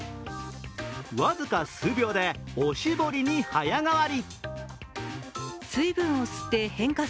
僅か数秒でおしぼりに早変わり。